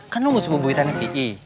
kan lu sebuah buitannya pi